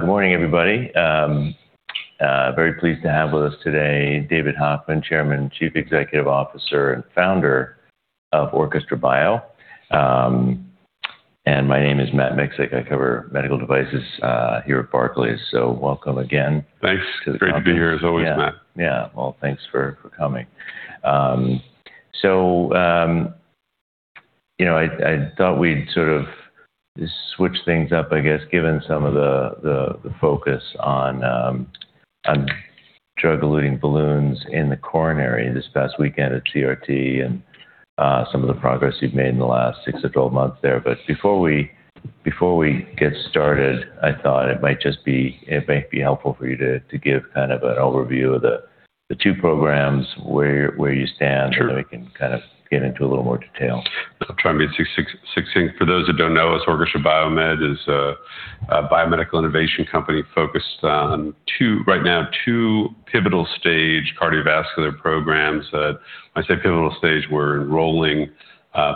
Good morning, everybody. Very pleased to have with us today David Hochman, Chairman, Chief Executive Officer, and Founder of Orchestra BioMed. And my name is Matt Miksic. I cover medical devices here at Barclays. Welcome again. Thanks. To the conference. Great to be here as always, Matt. Well, thanks for coming. So, you know, I thought we'd sort of switch things up, I guess, given some of the focus on Drug-Eluting Balloons (DEBs) in the coronary this past weekend at CRT and some of the progress you've made in the last 6-12 months there. Before we get started, I thought it might just be helpful for you to give kind of an overview of the two programs, where you stand. Sure We can kind of get into a little more detail. I'll try and be succinct. For those that don't know us, Orchestra BioMed is a biomedical innovation company focused on two right now, two pivotal stage cardiovascular programs. When I say pivotal stage, we're enrolling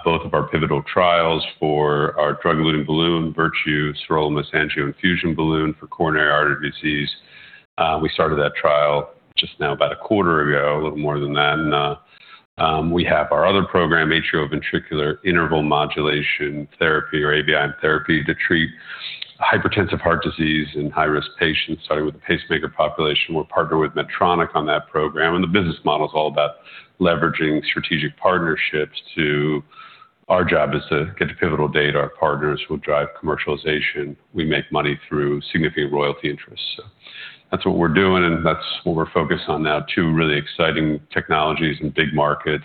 both of our pivotal trials for our drug-eluting balloon, Virtue Sirolimus AngioInfusion Balloon (SAB) for coronary artery disease. We started that trial just now about a quarter ago, a little more than that. We have our other program, Atrioventricular Interval Modulation therapy or AVIM therapy to treat hypertensive heart disease in high-risk patients, starting with the pacemaker population. We're partnered with Medtronic on that program, and the business model is all about leveraging strategic partnerships. Our job is to get to pivotal data. Our partners will drive commercialization. We make money through significant royalty interests. That's what we're doing, and that's what we're focused on now. Two really exciting technologies in big markets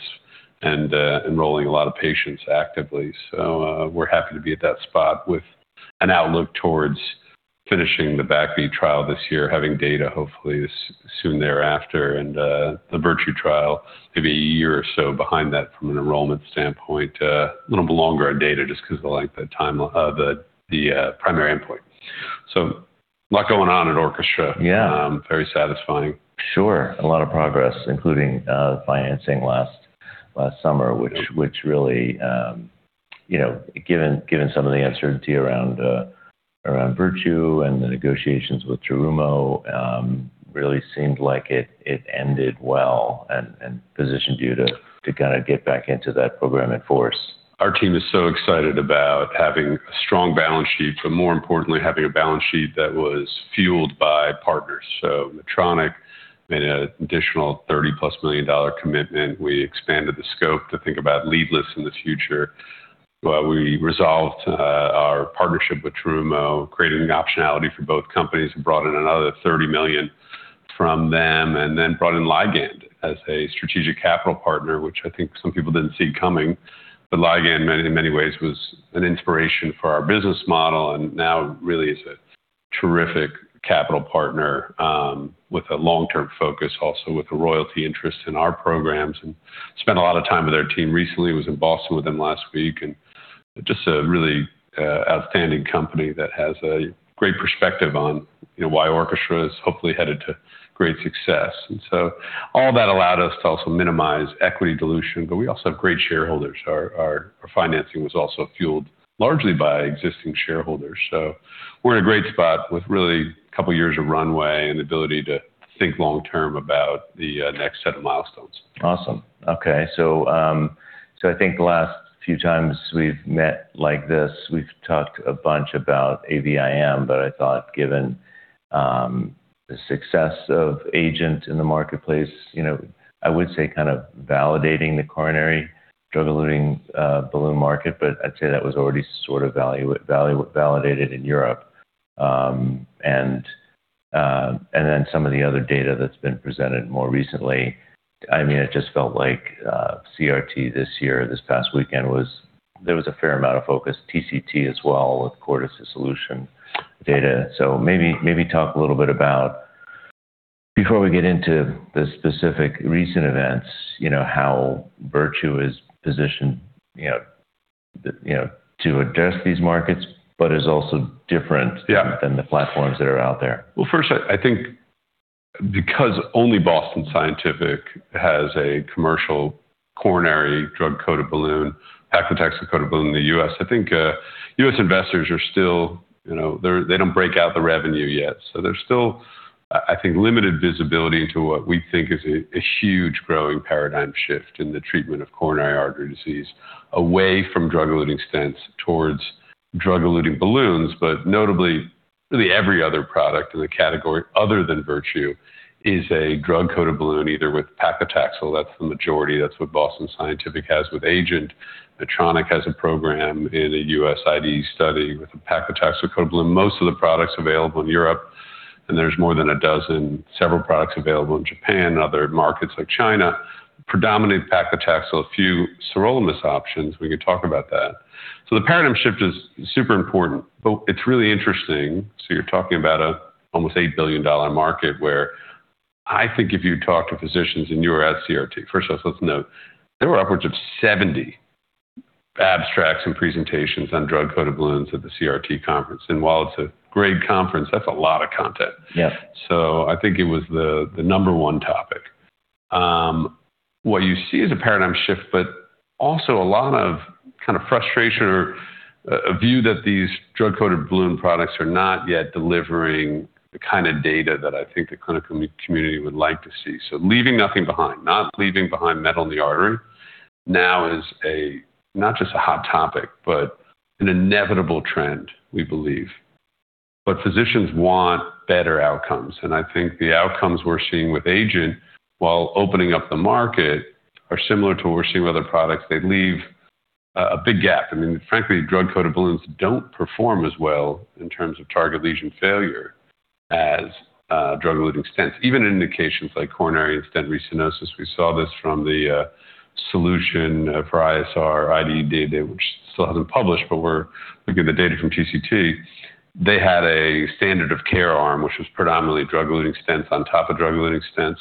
and enrolling a lot of patients actively. We're happy to be at that spot with an outlook towards finishing the BACKBEAT trial this year, having data hopefully soon thereafter. The Virtue trial, maybe a year or so behind that from an enrollment standpoint. A little bit longer on data just because the length of time of the primary endpoint. A lot going on at Orchestra. Yeah. Very satisfying. Sure. A lot of progress, including financing last summer. Yes which really, you know, given some of the uncertainty around Virtue and the negotiations with Terumo, really seemed like it ended well and positioned you to kinda get back into that program and force. Our team is so excited about having a strong balance sheet, but more importantly, having a balance sheet that was fueled by partners. Medtronic made an additional $30+ million commitment. We expanded the scope to think about leadless in the future. We resolved our partnership with Terumo, creating optionality for both companies and brought in another $30 million from them, and then brought in Ligand as a strategic capital partner, which I think some people didn't see coming. But Ligand in many ways was an inspiration for our business model and now really is a terrific capital partner, with a long-term focus, also with a royalty interest in our programs. Spent a lot of time with their team recently. Was in Boston with them last week, and just a really outstanding company that has a great perspective on, you know, why Orchestra is hopefully headed to great success. All that allowed us to also minimize equity dilution, but we also have great shareholders. Our financing was also fueled largely by existing shareholders. We're in a great spot with really a couple years of runway and ability to think long term about the next set of milestones. Awesome. Okay. I think the last few times we've met like this, we've talked a bunch about AVIM, but I thought given the success of AGENT in the marketplace, you know, I would say kind of validating the coronary Drug-Eluting Balloon (DEBs) market, but I'd say that was already sort of validated in Europe. Some of the other data that's been presented more recently. I mean, it just felt like CRT this year, this past weekend there was a fair amount of focus, TCT as well with SELUTION SLR data. Maybe talk a little bit about before we get into the specific recent events, you know, how Virtue is positioned, you know, to address these markets but is also different. Yeah than the platforms that are out there. Well, first I think because only Boston Scientific has a commercial coronary Drug-Coated Balloon, Paclitaxel-coated balloon in the U.S. I think, U.S. investors are still, you know, they don't break out the revenue yet, so there's still, I think, limited visibility to what we think is a huge growing paradigm shift in the treatment of coronary artery disease away from drug-eluting stents towards Drug-Eluting Balloons. Notably, every other product in the category other than Virtue is a Drug-coated balloon, either with paclitaxel, that's the majority. That's what Boston Scientific has with Agent. Medtronic has a program in a U.S. IDE study with a Paclitaxel-coated balloon. Most of the products available in Europe, and there's more than a dozen, several products available in Japan and other markets like China, predominantly Paclitaxel, a few sirolimus options. We can talk about that. The paradigm shift is super important, but it's really interesting. You're talking about a almost $8 billion market where I think if you talk to physicians and you were at CRT. First let's note, there were upwards of 70 abstracts and presentations on Drug-Coated Balloons at the CRT conference. While it's a great conference, that's a lot of content. Yes. I think it was the number one topic. What you see is a paradigm shift, but also a lot of kind of frustration or a view that these Drug-Coated Balloon products are not yet delivering the kind of data that I think the clinical community would like to see. Leaving nothing behind, not leaving behind metal in the artery now is, not just a hot topic, but an inevitable trend, we believe. Physicians want better outcomes, and I think the outcomes we're seeing with AGENT while opening up the market are similar to what we're seeing with other products. They leave a big gap. I mean, frankly, Drug-Coated Balloons don't perform as well in terms of target lesion failure as drug-eluting stents. Even in indications like coronary in-stent restenosis, we saw this from the SELUTION for ISR IDE data, which still hasn't published, but we're looking at the data from TCT. They had a standard of care arm, which was predominantly drug-eluting stents on top of drug-eluting stents.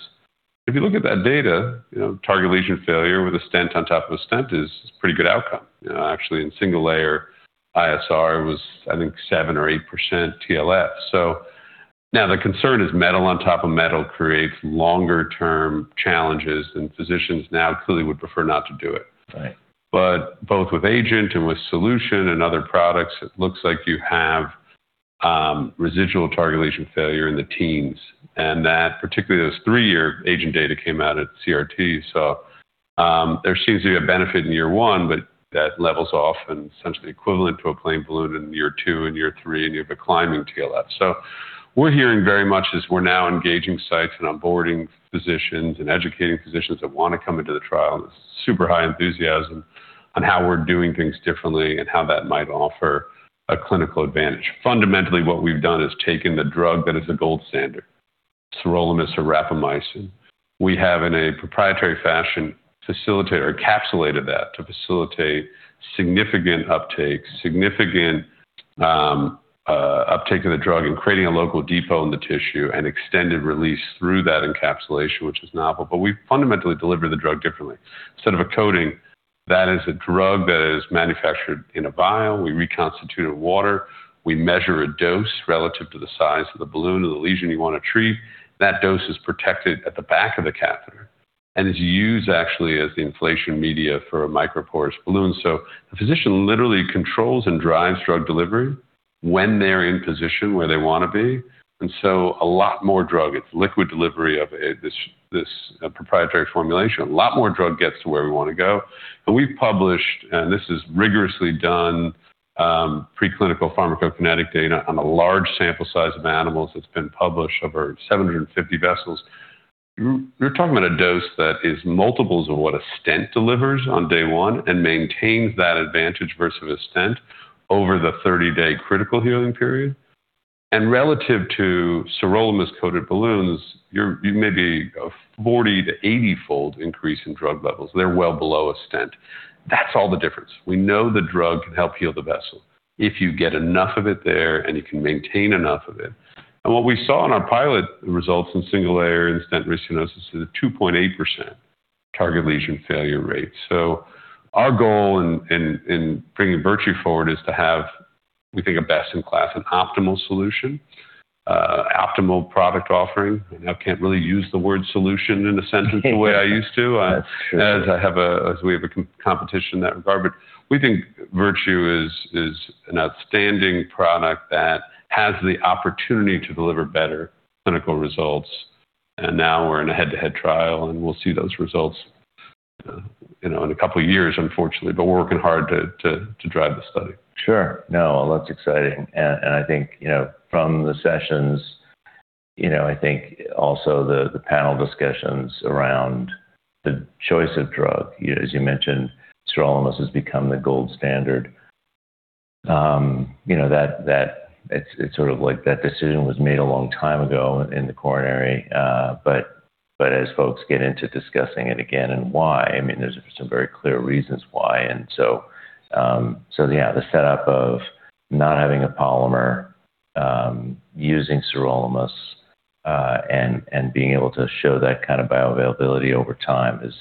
If you look at that data, you know, target lesion failure with a stent on top of a stent is pretty good outcome. You know, actually in single layer ISR was, I think, 7% or 8% TLF. Now the concern is metal on top of metal creates longer term challenges, and physicians now clearly would prefer not to do it. Right. Both with AGENT and with SELUTION and other products, it looks like you have residual target lesion failure in the teens, and that particularly those three-year AGENT data came out at CRT. There seems to be a benefit in year one, but that levels off and essentially equivalent to a plain balloon in year two and year three, and you have a climbing TLF. We're hearing very much as we're now engaging sites and onboarding physicians and educating physicians that want to come into the trial, and it's super high enthusiasm on how we're doing things differently and how that might offer a clinical advantage. Fundamentally, what we've done is taken the drug that is a gold standard, Sirolimus Rapamycin. We have in a proprietary fashion facilitated or encapsulated that to facilitate significant uptake of the drug and creating a local depot in the tissue and extended release through that encapsulation, which is novel. But we fundamentally deliver the drug differently. Instead of a coating that is a drug that is manufactured in a vial, we reconstitute water, we measure a dose relative to the size of the balloon or the lesion you want to treat. That dose is protected at the back of the catheter and is used actually as the inflation media for a microporous balloon. The physician literally controls and drives drug delivery when they're in position where they want to be. A lot more drug, it's liquid delivery of this proprietary formulation. A lot more drug gets to where we want to go. We've published, and this is rigorously done, preclinical pharmacokinetic data on a large sample size of animals that's been published of our 750 vessels. You're talking about a dose that is multiples of what a stent delivers on day one and maintains that advantage versus a stent over the 30-day critical healing period. Relative to Sirolimus-coated balloons, you're maybe a 40- to 80-fold increase in drug levels. They're well below a stent. That's all the difference. We know the drug can help heal the vessel if you get enough of it there and you can maintain enough of it. What we saw in our pilot results in single-layer and stent restenosis is a 2.8% target lesion failure rate. Our goal in bringing Virtue forward is to have, we think, a best in class and optimal solution, optimal product offering. I now can't really use the word solution in a sentence the way I used to. That's true. We have a competition in that regard. We think Virtue is an outstanding product that has the opportunity to deliver better clinical results. Now we're in a head-to-head trial, and we'll see those results, you know, in a couple of years, unfortunately. We're working hard to drive the study. Sure. No, that's exciting. I think, you know, from the sessions, you know, I think also the panel discussions around the choice of drug. You know, as you mentioned, sirolimus has become the gold standard. You know, that it's sort of like that decision was made a long time ago in the coronary. But as folks get into discussing it again and why, I mean, there's some very clear reasons why. So yeah, the setup of not having a polymer, using sirolimus, and being able to show that kind of bioavailability over time is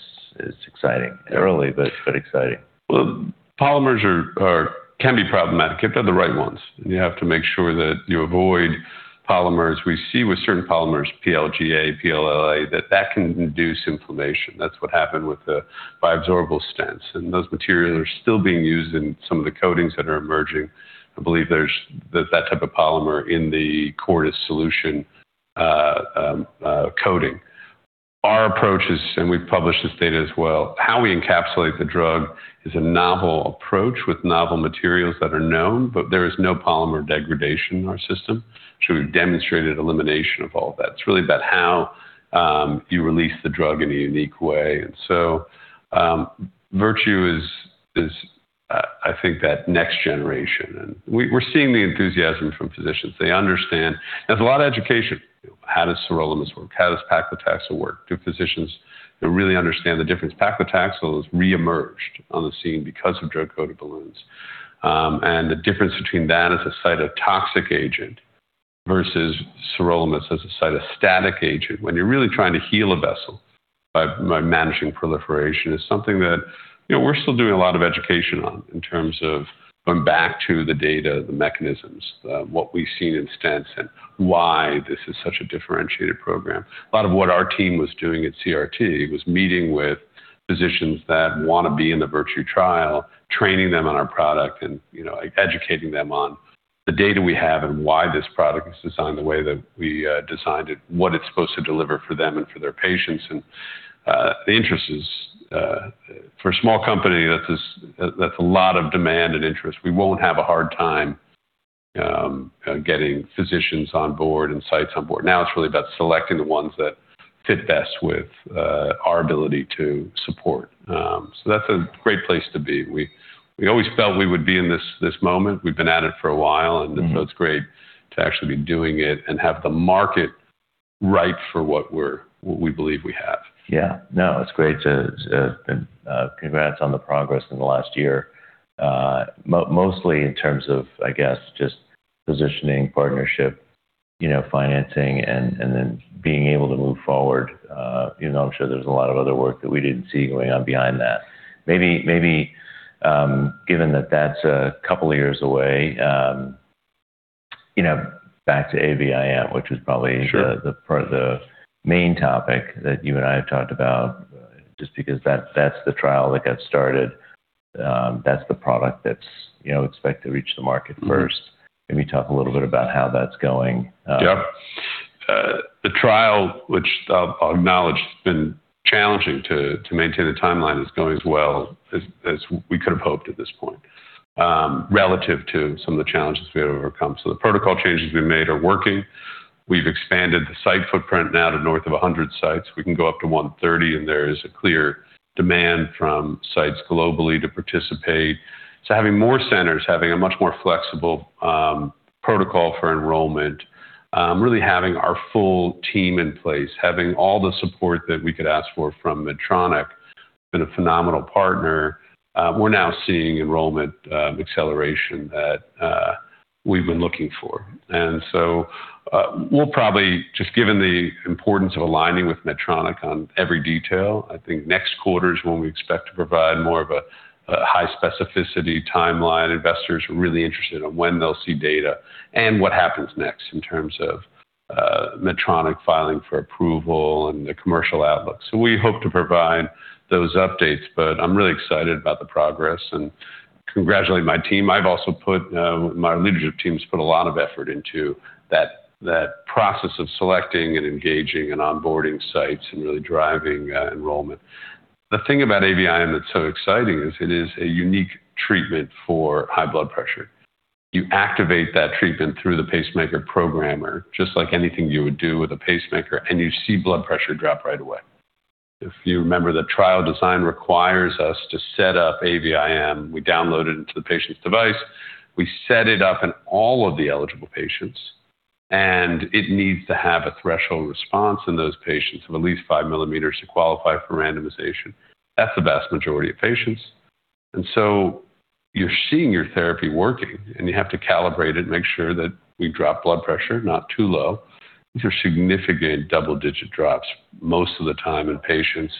exciting. Early, but exciting. Well, polymers can be problematic if they're the right ones. You have to make sure that you avoid polymers. We see with certain polymers, PLGA, PLLA, that can induce inflammation. That's what happened with the bioabsorbable stents. Those materials are still being used in some of the coatings that are emerging. I believe there's that type of polymer in the Cordis SELUTION coating. Our approach is, we've published this data as well, how we encapsulate the drug is a novel approach with novel materials that are known, but there is no polymer degradation in our system. We've demonstrated elimination of all that. It's really about how you release the drug in a unique way. Virtue is, I think, that next generation and we're seeing the enthusiasm from physicians. They understand. There's a lot of education. How does Sirolimus work? How does Paclitaxel work? Do physicians really understand the difference? Paclitaxel has reemerged on the scene because of drug-coated balloons. The difference between that as a cytotoxic agent versus Sirolimus as a cytostatic agent, when you're really trying to heal a vessel by managing proliferation, is something that, you know, we're still doing a lot of education on in terms of going back to the data, the mechanisms, what we've seen in stents, and why this is such a differentiated program. A lot of what our team was doing at CRT was meeting with physicians that wanna be in the Virtue trial, training them on our product and, you know, educating them on the data we have and why this product is designed the way that we designed it, what it's supposed to deliver for them and for their patients. The interest is, for a small company, that's a lot of demand and interest. We won't have a hard time getting physicians on board and sites on board. Now it's really about selecting the ones that fit best with our ability to support. That's a great place to be. We always felt we would be in this moment. We've been at it for a while, and so it's great to actually be doing it and have the market ripe for what we believe we have. No, it's great, too—and congrats on the progress in the last year, mostly in terms of, I guess, just positioning, partnership, you know, financing, and then being able to move forward. Even though I'm sure there's a lot of other work that we didn't see going on behind that. Maybe, given that that's a couple of years away, you know, back to AVIM, which was probably- Sure The main topic that you and I have talked about, just because that's the trial that got started, that's the product that's, you know, expected to reach the market first. Mm-hmm. Can you talk a little bit about how that's going? Yep. The trial, which I'll acknowledge has been challenging to maintain the timeline, is going as well as we could have hoped at this point, relative to some of the challenges we have overcome. The protocol changes we made are working. We've expanded the site footprint now to north of 100 sites. We can go up to 130, and there is a clear demand from sites globally to participate. Having more centers, having a much more flexible protocol for enrollment, really having our full team in place, having all the support that we could ask for from Medtronic, been a phenomenal partner. We're now seeing enrollment acceleration that we've been looking for. We'll probably just given the importance of aligning with Medtronic on every detail, I think next quarter is when we expect to provide more of a high specificity timeline. Investors are really interested in when they'll see data and what happens next in terms of Medtronic filing for approval and the commercial outlook. We hope to provide those updates, but I'm really excited about the progress and congratulate my team. I've also put my leadership team's put a lot of effort into that process of selecting and engaging and onboarding sites and really driving enrollment. The thing about AVIM that's so exciting is it is a unique treatment for high blood pressure. You activate that treatment through the pacemaker programmer, just like anything you would do with a pacemaker, and you see blood pressure drop right away. If you remember, the trial design requires us to set up AVIM. We download it into the patient's device. We set it up in all of the eligible patients, and it needs to have a threshold response in those patients of at least five millimeters to qualify for randomization. That's the vast majority of patients. You're seeing your therapy working, and you have to calibrate it, make sure that we drop blood pressure, not too low. These are significant double-digit drops most of the time in patients.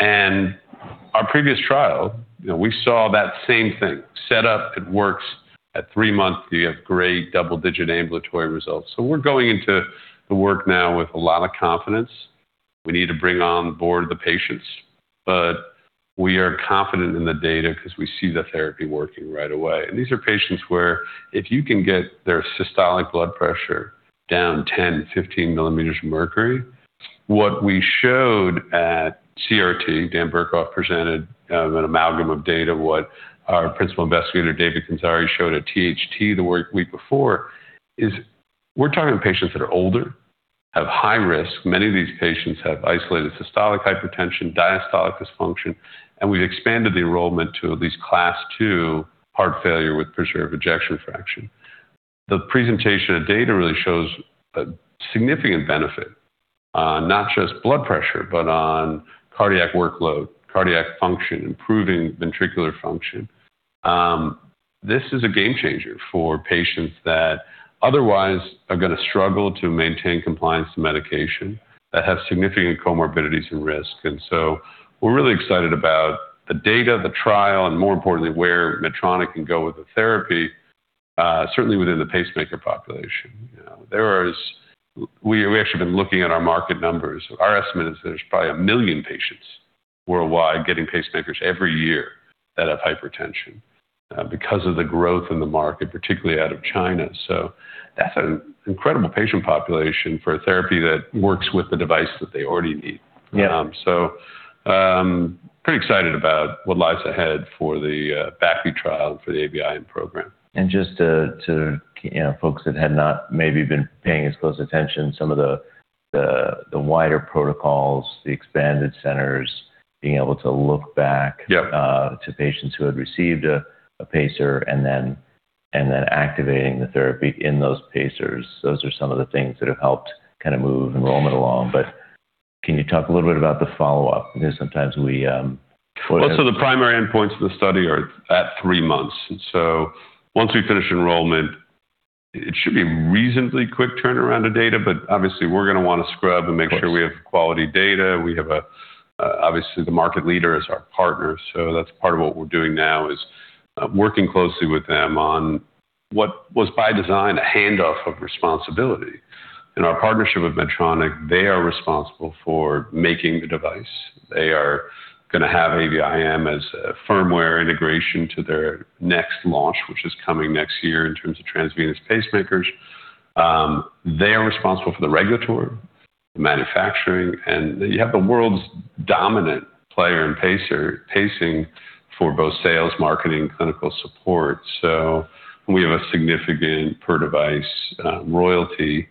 Our previous trial, you know, we saw that same thing. Set up, it works. At three months, you have great double-digit ambulatory results. We're going into the work now with a lot of confidence. We need to bring on board the patients, but we are confident in the data because we see the therapy working right away. These are patients where if you can get their systolic blood pressure down 10, 15 millimeters of mercury, what we showed at CRT, Daniel Burkhoff presented, an amalgam of data, what our principal investigator, David E. Kandzari, showed at THT the week before, is we're talking about patients that are older, have high risk. Many of these patients have isolated systolic hypertension, diastolic dysfunction, and we've expanded the enrollment to at least Class II Heart Failure with preserved ejection fraction. The presentation of data really shows a significant benefit, not just blood pressure, but on cardiac workload, cardiac function, improving ventricular function. This is a game changer for patients that otherwise are gonna struggle to maintain compliance to medication, that have significant comorbidities and risk. We're really excited about the data, the trial, and more importantly, where Medtronic can go with the therapy, certainly within the pacemaker population. You know, we've actually been looking at our market numbers. Our estimate is there's probably one million patients worldwide getting pacemakers every year that have hypertension, because of the growth in the market, particularly out of China. That's an incredible patient population for a therapy that works with the device that they already need. Yeah. Pretty excited about what lies ahead for the VACI trial and for the AVIM program. Just to you know, folks that had not maybe been paying as close attention, some of the wider protocols, the expanded centers, being able to look back. Yep to patients who had received a pacer and then activating the therapy in those pacers. Those are some of the things that have helped kinda move enrollment along. Can you talk a little bit about the follow-up? Because sometimes we, Most of the primary endpoints of the study are at three months. Once we finish enrollment. It should be a reasonably quick turnaround of data, but obviously we're gonna wanna scrub and make sure we have quality data. We have a obviously the market leader as our partner, so that's part of what we're doing now is working closely with them on what was by design a handoff of responsibility. In our partnership with Medtronic, they are responsible for making the device. They are gonna have AVIM as a firmware integration to their next launch, which is coming next year in terms of transvenous pacemakers. They are responsible for the regulatory, manufacturing, and you have the world's dominant player in pacing for both sales, marketing, clinical support. We have a significant per-device royalty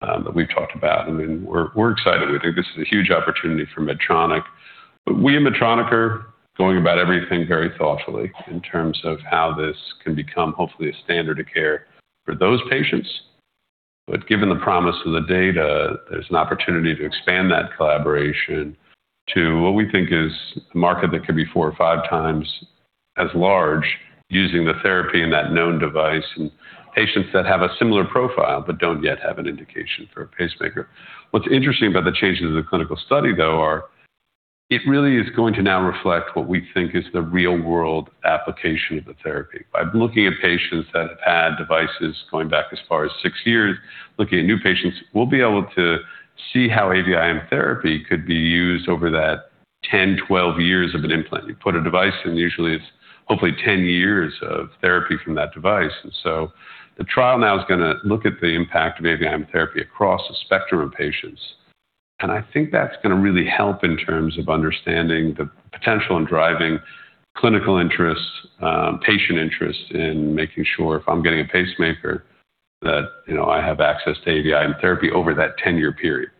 that we've talked about. I mean, we're excited. We think this is a huge opportunity for Medtronic. We and Medtronic are going about everything very thoughtfully in terms of how this can become hopefully a standard of care for those patients. Given the promise of the data, there's an opportunity to expand that collaboration to what we think is a market that could be four or five times as large using the therapy in that known device in patients that have a similar profile but don't yet have an indication for a pacemaker. What's interesting about the changes in the clinical study though are it really is going to now reflect what we think is the real-world application of the therapy. By looking at patients that have had devices going back as far as six years, looking at new patients, we'll be able to see how AVIM therapy could be used over that 10, 12 years of an implant. You put a device in, usually it's hopefully 10 years of therapy from that device. The trial now is gonna look at the impact of AVIM therapy across a spectrum of patients. I think that's gonna really help in terms of understanding the potential in driving clinical interest, patient interest in making sure if I'm getting a pacemaker that, you know, I have access to AVIM therapy over that 10-year period.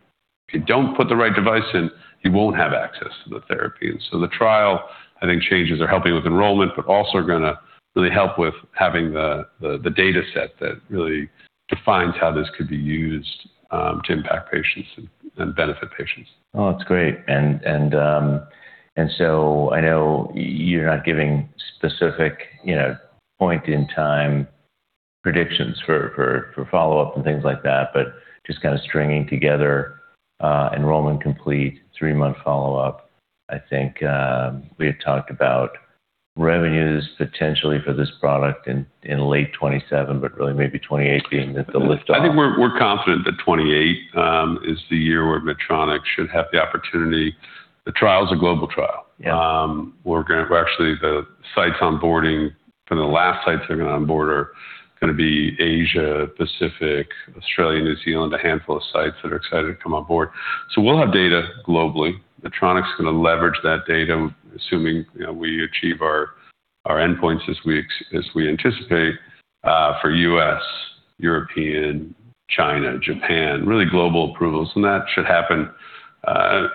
If you don't put the right device in, you won't have access to the therapy. The trial, I think, changes are helping with enrollment, but also gonna really help with having the data set that really defines how this could be used to impact patients and benefit patients. Oh, that's great. I know you're not giving specific point in time predictions for follow-up and things like that, but just kinda stringing together enrollment complete, three-month follow-up. I think we had talked about revenues potentially for this product in late 2027, but really maybe 2028 being the liftoff. I think we're confident that 2028 is the year where Medtronic should have the opportunity. The trial is a global trial. Yeah. The last sites that are gonna onboard are gonna be Asia, Pacific, Australia, New Zealand, a handful of sites that are excited to come on board. We'll have data globally. Medtronic's gonna leverage that data, assuming, you know, we achieve our endpoints as we anticipate for U.S., European, China, Japan, really global approvals. That should happen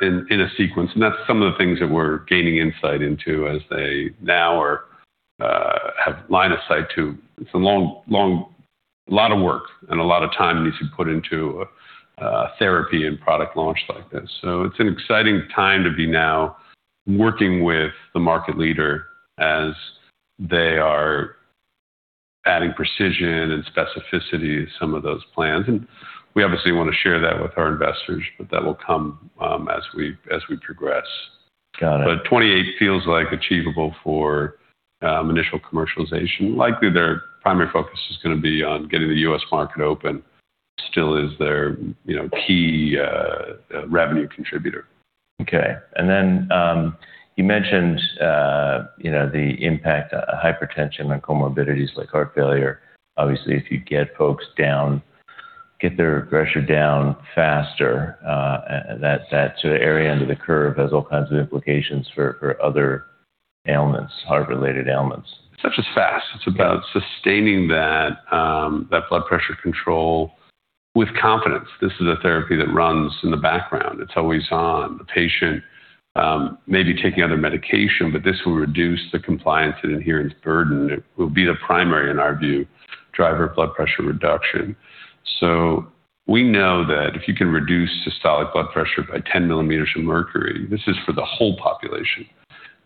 in a sequence. That's some of the things that we're gaining insight into as they now have line of sight to. It's a long lot of work and a lot of time needs to be put into a therapy and product launch like this. It's an exciting time to be now working with the market leader as they are adding precision and specificity to some of those plans. We obviously wanna share that with our investors, but that will come as we progress. Got it. 28 feels like achievable for initial commercialization. Likely their primary focus is gonna be on getting the U.S. market open. Still is their, you know, key revenue contributor. Okay. You mentioned, you know, the impact of hypertension on comorbidities like heart failure. Obviously, if you get folks down, get their pressure down faster, that sort of area under the curve has all kinds of implications for other ailments, heart-related ailments. It's not just fast. It's about sustaining that blood pressure control with confidence. This is a therapy that runs in the background. It's always on. The patient may be taking other medication, but this will reduce the compliance and adherence burden. It will be the primary, in our view, driver of blood pressure reduction. We know that if you can reduce systolic blood pressure by 10 millimeters of mercury, this is for the whole population.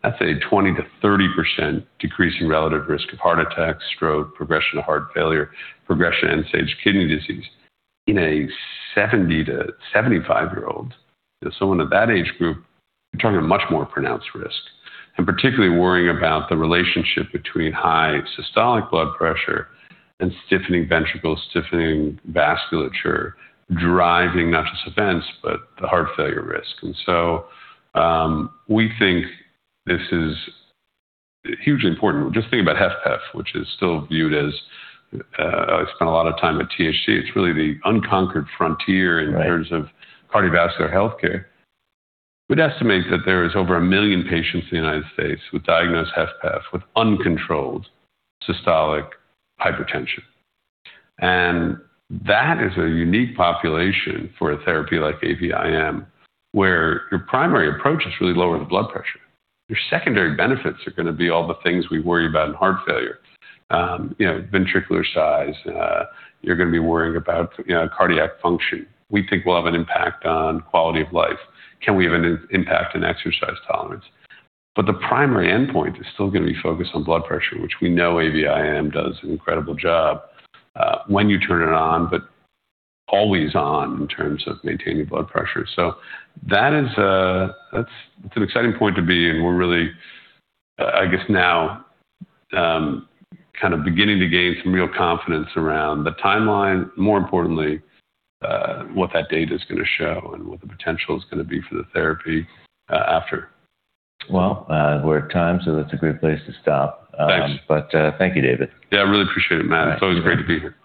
That's a 20%-30% decrease in relative risk of heart attack, stroke, progression of heart failure, progression of end-stage kidney disease. In a 70-75-year-old, someone of that age group, you're talking a much more pronounced risk. Particularly worrying about the relationship between high systolic blood pressure and stiffening ventricles, stiffening vasculature, driving not just events, but the heart failure risk. We think this is hugely important. Just think about HFpEF, which is still viewed as I spent a lot of time at THT. It's really the unconquered frontier. Right. In terms of cardiovascular healthcare. We'd estimate that there is over 1 million patients in the United States with diagnosed HFpEF with uncontrolled systolic hypertension. That is a unique population for a therapy like AVIM, where your primary approach is really lower the blood pressure. Your secondary benefits are gonna be all the things we worry about in heart failure. You know, ventricular size. You're gonna be worrying about, you know, cardiac function. We think we'll have an impact on quality of life. Can we have an impact in exercise tolerance? The primary endpoint is still gonna be focused on blood pressure, which we know AVIM does an incredible job, when you turn it on, but always on in terms of maintaining blood pressure. That is, that's an exciting point to be in. We're really, I guess now, kind of beginning to gain some real confidence around the timeline, more importantly, what that data's gonna show and what the potential is gonna be for the therapy, after. Well, we're at time, so that's a great place to stop. Thanks. Thank you, David. Yeah, I really appreciate it, Matt. All right. It's always great to be here.